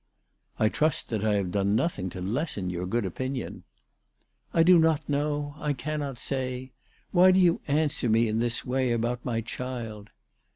" I trust that I have done nothing to lessen your good opinion." " I do not know. I cannot say. Why do you answer me in this way about my child